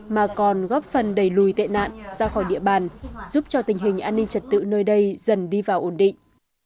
mà còn góp phần đẩy lùi tệ nạn ra khỏi địa bàn giúp cho tình hình an ninh trật tự nơi đây dần đi vào ổn định